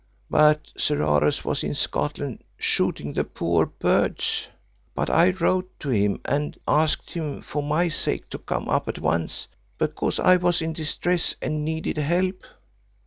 But Sir Horace was in Scotland, shooting the poor birds. But I wrote to him and asked him for my sake to come at once, because I was in distress and needed help.